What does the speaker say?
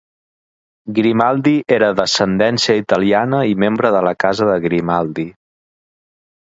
Grimaldi era d'ascendència italiana i membre de la Casa de Grimaldi.